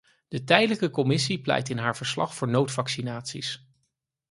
De tijdelijke commissie pleit in haar verslag voor noodvaccinaties.